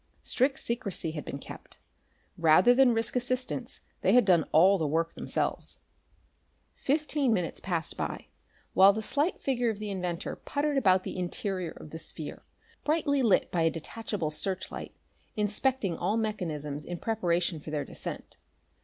Strict secrecy had been kept. Rather than risk assistants they had done all the work themselves. Fifteen minutes passed by, while the slight figure of the inventor puttered about the interior of the sphere, brightly lit by a detachable searchlight, inspecting all mechanisms in preparation for their descent.